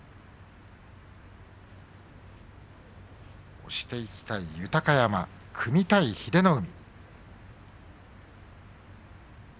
押していきたい豊山組みたい英乃海。